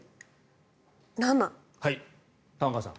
はい、玉川さん。